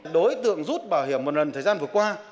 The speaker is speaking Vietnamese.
đối tượng rút bảo hiểm một lần thời gian vừa qua